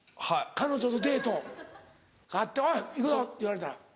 彼女とデートあって「おい行くぞ」って言われたら。